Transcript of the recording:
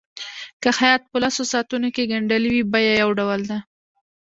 که خیاط په لسو ساعتونو کې ګنډلي وي بیه یو ډول ده.